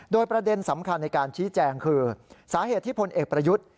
โดยประเด็นสำคัญในการชี้แจงคือสาเหตุที่พลเอกประยุทธ์